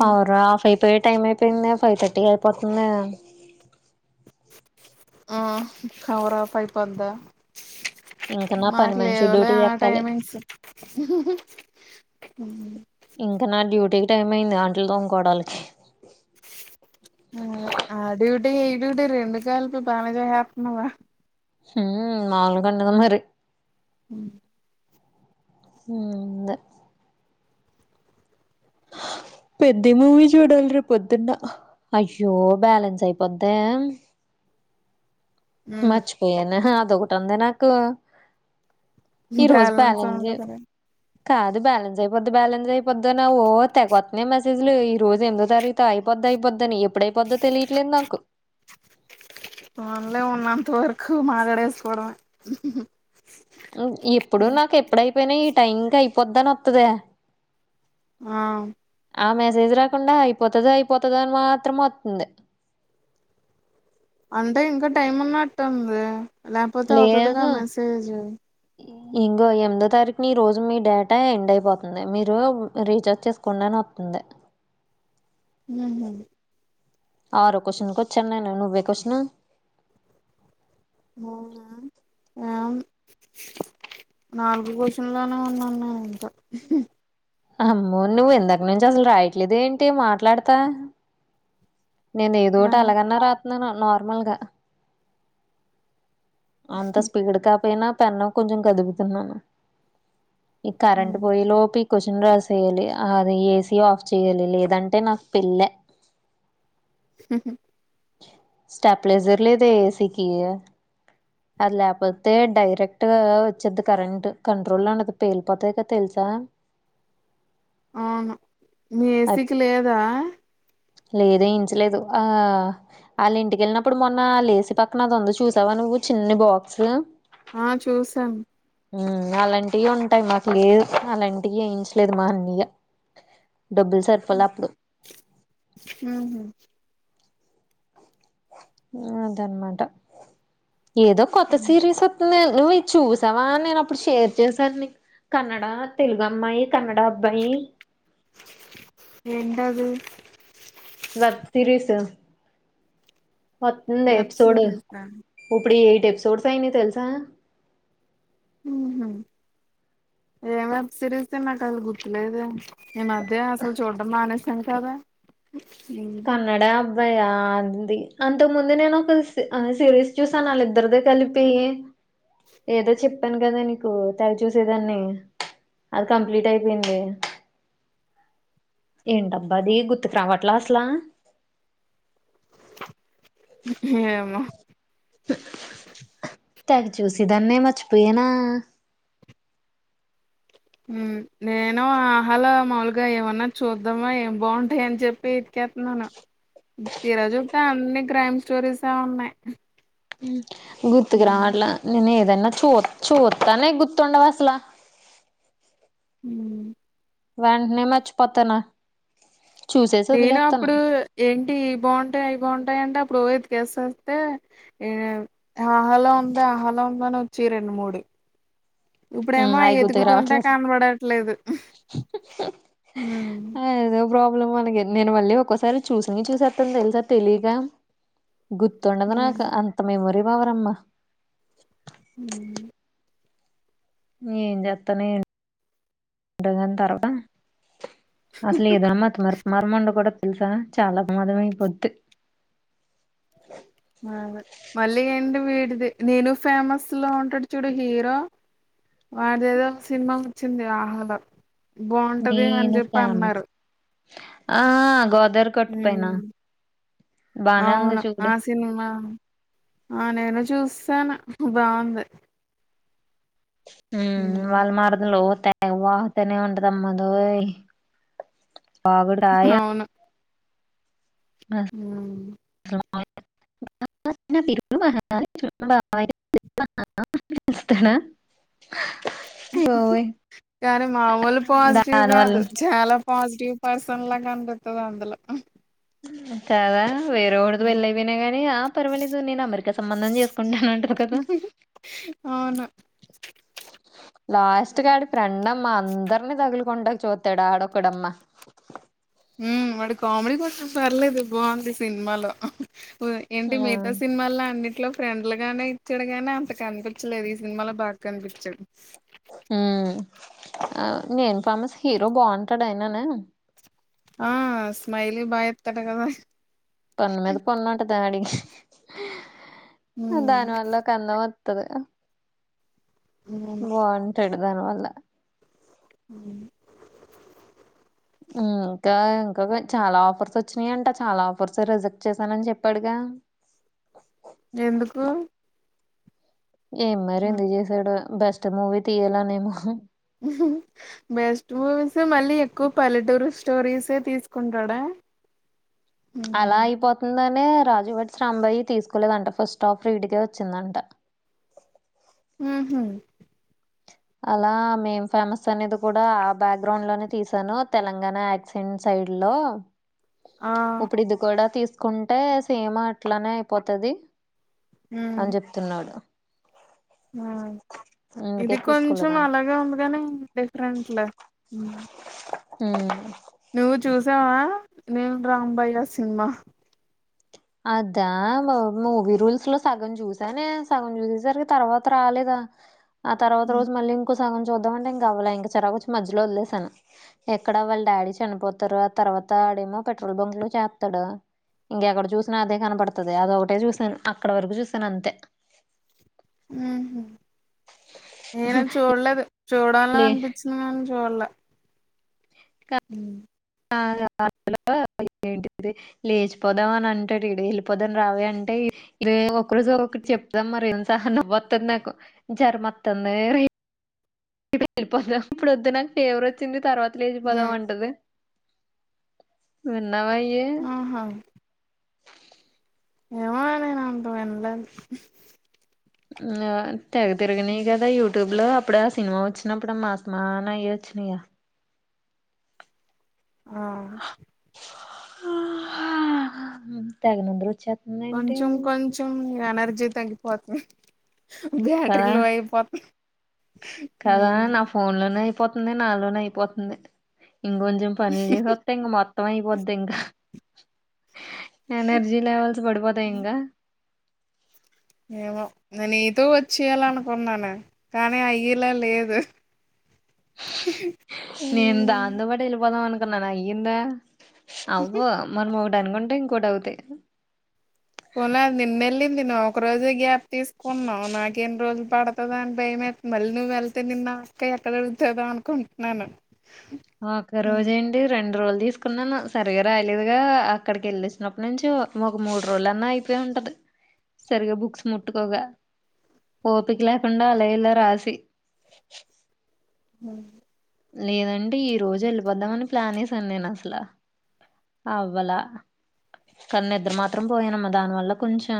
Power off అయి పోయే time అయిపోయింద ఫైవ్ థర్టీ అయిపోతుందా ఆ కవరా పైపందా ఇంకా నా పని మాకు మనిషి లేవలే డ్యూటీ ఆ ఎక్కాలి టైమింగ్స్ ఉ ఇంకా నా డ్యూటీకి టైం అయింది అంట్లు తోడుకాలకి ఏ డ్యూటీ రెండు కాలకు బాల జేసెత్నావ ఉమ్ మాములుగా ఉండదు మరి అ ఉమ్ దే పెద్ది మూవీ చూడాలి రేపు పొద్దున్న అయ్యో బ్యాలెన్స్ అయిపోద్దె మర్చిపోయాను అదొకటి ఉంది నాకు ఈ రోజు బ్యాలెన్స్ పాలెంజే లేవ్ ఉండదులే కాదు బ్యాలెన్స్ అయిపోద్ది బ్యాలెన్స్ అయిపోద్ో నావ్వు తెగొతున్నా మెసేజ్లు ఈరోజు ఏందో తరుగత అయిపోద్ అయిపోధ్ అయిపోద్దని ఎప్పుడైపోద్దో తెలియట్లేదు నాకు మన్లే ఉన్నంత వరకు మాట్డేసుకోవడమ్ ఎప్పుడు నాకు ఎప్పుడైపోయినా ఈ టైం కి అయిపోద్దనే వత్తదీ ఆ ఆ మెసేజ్ రాకుండా అయిపోతుంది అయిపోతుంది అని మాత్రం వస్తుంది అంటే ఇంకా టైం ఉన్నట్టుంది లేకపోతే అవుతుదిగా మెసేజ్ ఇంకో ఎనిమిదో తారీఖుని రోజు మీ డేటా ఎండ్ అయిపోతుంది మీరు రీచార్జ్ చేసుకోండా అని తంది ఉమ్ ఆరో క్వశ్చన్కి వచ్చాను నేను నువ్వే క్వశన్ అవునా అవును నాలుగో క్వశచన్లోనే ఉన్నాను నేను ఇంకా అమ్మో నువ్వు ఎందకు నుంచి అసలు రాయట్లేద ఏంటి మాట్లాడతా నేను ఏదో రా ఒకటి అలాగన్నా రాతున్నాను నార్మల్ గా అంత స్పీడ్ కాకపోయినా పెన్ను కొంచెం కదుపుతున్నాను ఈ కరంట్ పోయి లోపి కూర్చుని రాసేయాలి అది ఏసీ ఆఫ్ చెయ్యాలి లేదంటే నాకు పెళ్ళే హహ స్టాప్లేజర్ లేద ఏ సికి అది లేకపోతే డైరెక్ట్ వచ్చేది కరెంట్ కంట్రోల్ అనేది పేలిపోతాయి కదా తెలుసా ఆ అవును మీ ఏసీకి లేదా లేదే ఇంచలేదు ఆ వాళ్ళ ఇంటికెళ్ళినప్పుడు మొన్న లేసి పక్కనఅదుంది చూసావా నువ్వు చిన్ని బాక్స్ ఆ చూసాను అలాంటివి ఉంటాయి మాకు లేదు అలాంటివి వేయించలేదు మా అన్నయా డబ్బులు సరిపోల అప్పుడు ఉహు అదఅన్మాట ఏదో కొత్త సీరిస్ ఓ దే నువ్వు చూసావా నేను అప్పుడు షేర్ చేశాను నీ కన్నడ తెలుగు అమ్మాయి కన్నడ అబ్బాయి ఏంటది వెబ్ వత్తంది వెబ్ ఎపిసోడ్ సిరీసా ఇప్పుడు ఎయిట్ ఎపిసోడ్స్ అయినయ్ తెలుసా మ్ హ్మ్ ఎం వెబ్ సిరిస్ నాకు అసలు గుర్తులేదె ఈ మధ్య అసలు చూడ్డం మానేసాను కదా కన్నడ భయా అంది అంతకు ముందు నేను ఒక సిరీస్ చూసాను వాళ్ళిద్దరిదే కలిపి ఏదో చెప్పాను కదె నీకు తెగ చూసేదాన్ని అది కంప్లీట్ అయిపోయింది ఏంటబ్బా అది గుర్తుకు రావట్లా అసల ఏమొ తెగ చూసిదాన్నే మర్చిపోయనా నేను ఆహలో మాములుగా ఏమన్నా చూద్దామా ఏం బావుంటాయి అని చెప్పి చేత్నును తీరా చూప్తే అన్ని క్రైమ్ స్టోరీసే ఉన్నాయి గుర్తుకు రావట్ల నేనే అన్న చూ చూత్తానే గుర్తుండవసలా మ్ వెంటనే మర్చిపోతాను చూసేసి నేను వదిలేస్తాను అప్పుడు ఏంటి ఇవి బాగుంటాయి అవి బాగుంటాయి అంటే అప్పుడు ఓ కేేసేస్తే ఈ ఆహలో ఉంది ఆహలో ఉందని వచ్చాయ్ రెండు మూడు ఇప్పుడేమో ఉమ్, అవి గుర్తుకు అయ్యేతుకుతుంటే రావట్లేదు కనబడట్లేదు హ్మ్ ఏదో ప్రాబ్లం అలగే నేను మళ్ళీ ఒకొసారి చూసినియ్ చూసేత్తన్ తెలుసా తెలియక గుర్తుండదు నాకు ఉమ్ అంత మెమొరీ పవరమ్మ మ్ ఏం చేత్తానో ఏంటో గాని తర్వాత అసలేమన్న మతిమరపు మరం ఉండకూడదు తెలుసా చాలా మదంమైపోద్ మళ్ళీ ఏంటి వీడిది నేను ఫేమస్ లో ఉంటాడు చూడు హీరో వాడిదెదో ఒక సినిమా వచ్చింది ఆహలో బాంటది అని నేను చెప్పి ఫేమస్ అన్నారు ఆ గోదారి గట్టు పైనా ఉమ్ అవును ఆ సినిమా ఆ నేను చూస్సాను బాంది మ్ వాళ్ళ మరదలు తె వాహతానే ఉంటదమ్మ అదోయ్ వాగుడు కాయ మ్ రు మహ చబ [inaudible] ేనా [inaudible] కానీ మామూలు పాజిటివ్ దాని వల్ల కాదు చాలా పాజిటివ్ పర్సన్ లా కనిపిత్తాది అందులో కదా వేరే వాళ్ళతో ఉమ్. వెళ్ళైపోయినా గాని ఆ పర్వాలేదు నేను అమెరికా సంబంధం చేసుకుంటానంటది కదా అవును లాస్ట్ కీ ఆడి ఫ్రెండమ్మా అందర్నీ తగులుకుంటాకీ చూత్తాడు ఆడొకడమ్మా ఉ వాడు కామెడీ కోసం పర్లేదు బాగుంది సినిమాలో. ఏంటి మిగతా సినిమాల్లో అండి. ఇంట్లో ఫ్రెండ్లు గానే ఇచ్చాడుగానే అంత కనిపించలేదు. ఈ సినిమాలో బాగా కనిపించదు. హ ఆ నేను ఫేమస్ హీరో బాగుంటాడుయనానే. ఆ స్మైలీ బా ఎత్ కట కదా. పొన్ను మీద పొన్ను ఉంటుంది, హ్మ్ దానివల్ల కందం. [unintelligible] అవును బాగుంటాడు దానివల్ల. [inaudible] హూ, ఇంకా ఇంకా చాలా ఆఫర్స్ వచ్చినాయంట. చాలా ఆఫర్స్ రిజెక్ట్ చేశానని చెప్పాడుగా. [inaudible] ఎందుకు. ఏం మరి ఎందుకు చేశాడో. బెస్ట్ మూవీ తీయాలనేమో. బెస్ట్ మూవీస్ మళ్ళీ ఎక్కువ పల్లెటూరు స్టోరీసే తీసుకుంటాడా. [inaudible] అలా అయిపోతుందనే రాజు వెడ్స్ రాంబాయి తీసుకోలేదంట. ఫస్ట్ ఆఫ్ వీడికే వచ్చిందంట. [inaudible] హుహు అలా మేం ఫేమస్ అనేది కూడా ఆ బ్యాక్ గ్రౌండ్ లోనే లోనే తీసాను. తెలంగాణ యాక్సెంట్స్. ఆ [inaudible] ఇప్పుడు ఇది కూడా తీసుకుంటే. సేమ్ అట్లానే అయిపోతుది. హ్మ్ అని చెప్తున్నాడు. ఆ, అందుకే ఇది కొంచెం తీసుకోలేదంట. అలాగ ఉందిగాని డెఫి. రెంట్ల, హూ. హూ. చూసావా, నేను రాంబాయ ఆ సినిమా. అదా మా మూవీ రూల్స్ లో సగం చూసానే. సగం చూసేసరికి తర్వాత రాలేదా. ఆ తర్వాత రోజు మళ్ళీ ఇంకొ. సగం చూద్దామంటే. ఇంకా అవ్వలే ఇంక చిరాకు వచ్చి మధ్యలో వదిలేసాను. ఎక్కడ వాళ్ళ డాడీ చనిపోతారు ఆ తర్వాత. తాడేమో పెట్రోల్ బంకులో చేస్తాడు. ఇంకెక్కడ చూస్త. అదే కనపడుతుది. అది ఒకటే చూసాను. అక్కడ వరకు చూసాను అంతే. ఉహూ, నేన చూడలేదు. చూడాల లే అనిపించింది గాని. చులే. ఉహు. [inaudible] ఏంటిది లేచిపోదాం అని అంటాడు. ఈడు వెళ్ళిపోదాని రావవి అంటే ఇ ఒక రోజు ఒక చెప్. చెద్దం మరి ఏం సహన పోతుంది. నాకు జ్వరము తందే. ఇప్పుడు వెళ్ళిపోదాం ఇప్పుడు వద్దు నాకు ఫేవర్ వచ్చింది తర్వాత లేచిపోదాం అంటది. [inaudible] ఆహా. ఏమో నేను అటు వినలేదే. ఆ తెగ తిరగిన కదా యూట్యూబ్ లో. అప్పుడుడ సినిమా వచ్చినప్పుడుమ్ మా అసమానాయ్య వచ్చినయ. ఆ [unintelligible] తెగ నిద్ర వచ్చేస్తుంది. ఏంటి కొంచం కొంచం ఎనర్జీ తగ్గిపోద్ది. బ్యాటరీ కదా లో అయిపోత కదా ఉమ్ నా ఫోన్ లోనే అయిపోతుంది నాలోనే అయిపోతుంది ఇంకొంచెం పనులు చేసి వస్తే ఇంక మొత్తం మొత్తం అయిపోద్ది ఇంకా ఎనర్జీ లెవెల్స్ పడిపోతాయి ఇంకా ఏమో నేను నీతో వచ్చేయాల అనుకున్నాను కానీ అయ్యేలా లేదు నేను దాంతో పాటు వెళ్ళిపోదాం అనుకో ఇ నన్ను అయ్యిందా అవ్వో మనం ఒకటి అనుకుంటే ఇంకోటి అవుతాయి పోలేదు నేన్న వెళ్ళింది నువ్వు ఒక రోజే గ్యాప్ తీసుకున్నావు నాకేన్ని రోజులు పడుతది అని భయం మేస్తోంది మళ్ళీ నువ్వు వెళ్తే నిన్ను అక్క ఎక్కడ అడుగుతాదో అనుకుంటున్నాను ఒక రోజు అండి రెండు రోలు తీసుకున్నాను సరిగ్గా రాయలేదుగా అక్కడికి వెళ్ళేసినప్పుడు నుంచి ఒక మూడు రోజులు అన్నా అయిపోయి ఉంట ఉంటది సరిగ్గా బుక్స్ ముట్టుకోగా ఓపిక లేకుండా అల ఇలా రాశి ఉమ్ లేదంటే ఈ రోజు వెళ్ళిపోద్దామని ప్లాన్ వేసాను నేను అసలా అవ్వాల కానీ నిద్ర మాత్రం పోయానమ్మా దానివల్ల కొంచెం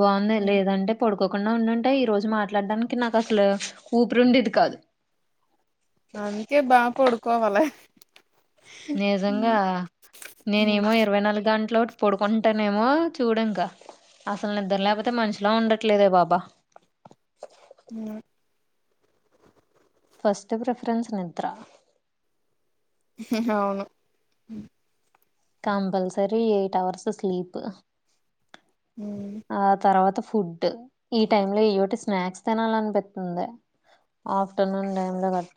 బాగున్నాయి లేదంటే పడుకో కాకుండా ఉండుంటే ఈ రోజు మాట్లాడడానికి నాకు అసలు ఊపిరి ఉండేది కాదు అందుకే బాగా పడుకోవాలి నిజంగా నేనేమో ఇరవై నాలుగు గంటలోటి పడుకుంటానేమో చూడు ఇంకా అసలు నిద్ర లేకపోతే మనుషిలో ఉండట్ ఇట్లేద బాబా అమ్ ఫస్ట్ ప్రిఫరెన్స్ నిద్ర అవును కంపల్సరీ ఎయిట్ హవర్స్ స్లీప్ ఉమ్. ఉమ్, ఆ తర్వాత ఫుడ్ ఈ టైమ్ లో ఏయోటి స్నాక్స్ తినాలి అనిపిస్తుంది ఆఫ్టర్నూన్ టైమ్ లో కట్ట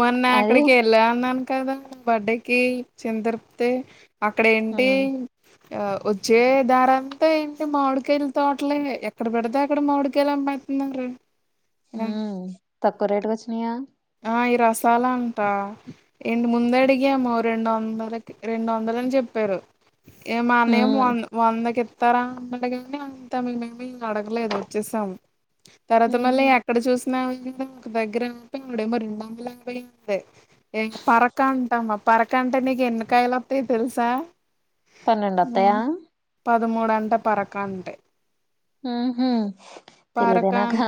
మొన్న అది అక్కడికి వెళ్ళా అన్నాను కదా బర్డేకి చిన్న తిరుపతి అక్కడ ఏంటి ఉమ్ ఆ వచ్చే దారంతా ఏంటి మామిడికాయలు తోటలే ఎక్కడ పెడితే అక్కడ మాడికాయలు అమ్మే మరే ఉమ్ తక్కువ రేటుకి వచ్చినియా అయి రసాలా అంటా ఏంటి ముందు అడిగాము రెండు వందలకి రెండు వందలని చె చెప్పారు ఇక మా అన్నయ్య ఉమ్ మానే వంద వందకి తర అడగ గానే అంత మేము ఏమి అడగలేదు వచ్చేసాము తర్వాత మళ్ళీ ఉహు ఎక్కడ చూసినా కదా మా దగ్గర డమో రెండు వందల యాభై ఉంది ఇంకా పరక అంటామా పరక అంటే నీకు ఎన్నికాయలు వస్తా స్తాయి తెలుసా పన్నెండు ఆ, వస్తాయా పదమూడు అంట పరక అంటే ఉహు తెలీదే పరక అ నాకా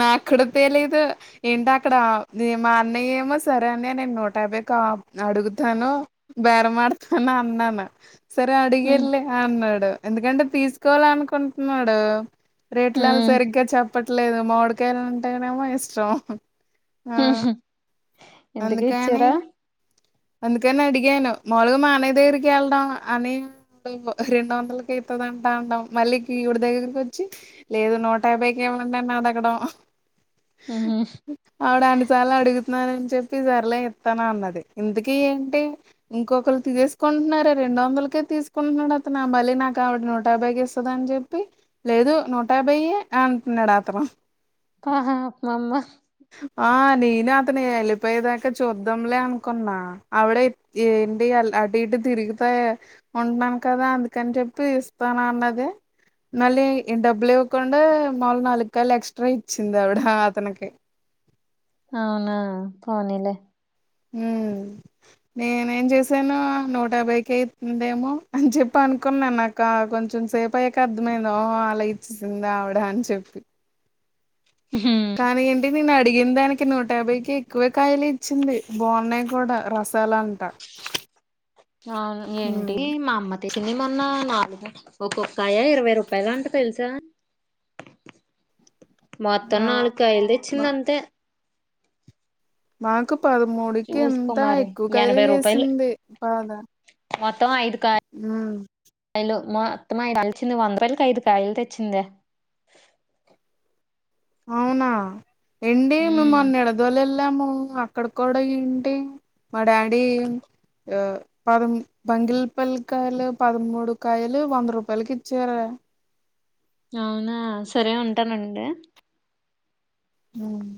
నాకు అక్కడ తెలిదు ఏంటి అక్కడ మా అన్నయ్య ఏమో సరే అని నేను నూట యాభై కా అడుగుతాను బేరమాడతాను అన్నాను సరే అడిగి ఉమ్ వెళ్ళు అన్నాడు ఎందుకంటే తీసుకోవాల అనుకుంటున్నాడు రేట్లలో ఉమ్ సరిగ్గా చెప్ప చెప్పట్లేదు మామిడికాయలు అంటేనేమో ఇష్టం ఆ ఇంతకీ ఇచ్చారా అందుకనే అడిగను మములుగ మా అన్నయ్య దగ్గరికేళ్ళడం అన్నయ్య రెండు వందలకి త్ ంటా అంటా అనడం మళ్ళీ ఈవిడ దగ్గరికి వచ్చి లేదు నూట యాభైకి ఇవ్వండి అని ఆడగడం ఉహు ఆవిడ అన్నిసార్ల అడుగుతున్నానని చెప్పి సర్లే ఇస్తానన్నది ఇంతకి ఏంటి ఇంకొకరు తీేసుకుంటున్నారే రెండు వందలకే తీసుకుంటున్నాడు అతను నా బలే నాక్ కావిడ నూట యాభైకిస్తదని చెప్పి లేదు నూట యాభైే అంటున్నాడు ఆతను ఆహా అమామ్మా ఆ నీను అతను ఎలిపోయేదాక చుద్దమ్లే అన్ కున్నా ఆవిడ ఏంటి అటు ఇటు తిరిగితే ఉంటున్నాను కదా అందుకని చెప్ ప్పి ఇస్తనన్నది మళ్ళీ డబ్బులు ఇవ్వకుండా మాములు నాలుగు కాయలు ఎక్స్ట్రా ఇచ్చింది అవిడ అతనికి అవునా పోనీలే మ్ నేనే ఏం చేసాను నూట యాభైకి అవుతుందేమో అని చెప్పను అనుకున్నా నాక కొంచెం సేపు అయ్యాక అర్థమైంద ఓహో అలా ఇచ్చేసింద ఆవిడ అని చెప్పి ఉహు కానీ ఏంటి నిేను అడిగిన దానికి నూట యాభైకి ఎక్కువే కాయలే ఇచ్చింది బాగున్నాయి కూడా రసాలు అంట అవును ఏంటి మా అమ్మ చింది మొన్న నాలుగు ఒకోక్కాయ ఇరవై రూపాయలు అంట తెలుసా మొత్తం ఆ నాలుకయలు మ తెచ్చింది అంతే మాకు పదమూడుకి చూసుకో ఎంత మరి ఎక్కువ కయలే ఎనభై రూపాయలు వేసింది బాధ మొత్తం ఐదు కాయలు మొత్తం కలిచింది వంద రుపాయలకి ఐదు కాయలు తెచ్చిందే అవునా ఎండీ ఉమ్ మొన్న ఎడ దొల్ ఎల్ ళ్ళము అక్కడ కూడా ఏంటి మా డాడీ ఆ పద బంగిలిపల్లికాయలు పదమూడు కాయలు వంద రూపాయలకి ఇచ్చారే అవునా సరే ఉంటానుండే మ్